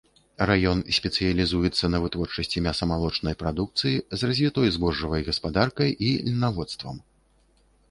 Раён спецыялізуецца на вытворчасці мяса-малочнай прадукцыі з развітой збожжавай гаспадаркай і льнаводствам.